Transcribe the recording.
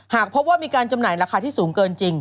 หากพบว่ามีการจำหน่ายราคาที่สูงเกินจริง